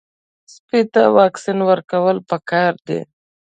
سپي ته واکسین ورکول پکار دي.